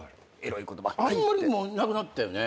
あんまりもうなくなったよね。